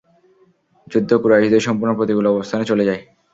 যুদ্ধ কুরাইশদের সম্পূর্ণ প্রতিকূল অবস্থানে চলে যায়।